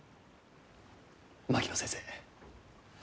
槙野先生